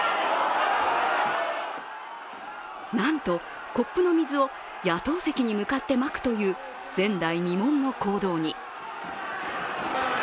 なんと、コップの水を野党席に向かってまくという前代未聞の行動に。